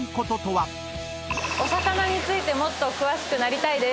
お魚についてもっと詳しくなりたいです。